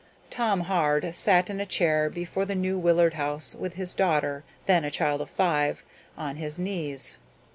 Tom Hard sat in a chair before the New Willard House with his daughter, then a child of five, on his knees.